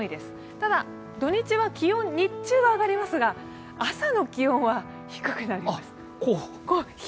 ただ土日は気温、日中は上がりますが朝の気温は低くなります。